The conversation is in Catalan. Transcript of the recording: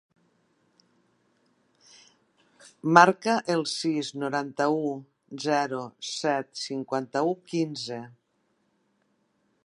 Marca el sis, noranta-u, zero, set, cinquanta-u, quinze.